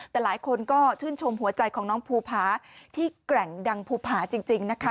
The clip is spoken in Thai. แต่หลายคนก็ชื่นชมหัวใจของน้องภูผาที่แกร่งดังภูผาจริงนะคะ